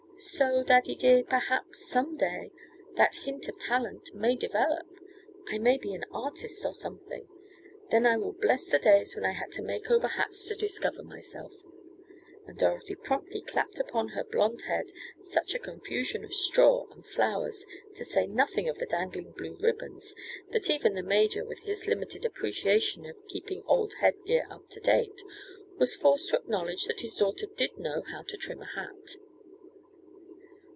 So, daddy dear, perhaps, some day, that hint of talent may develop I may be an artist or something. Then I will bless the days when I had to make over hats to discover myself," and Dorothy promptly clapped upon her blond head such a confusion of straw and flowers, to say nothing of the dangling blue ribbons, that even the major, with his limited appreciation of "keeping old head gear up to date" was forced to acknowledge that his daughter did know how to trim a hat.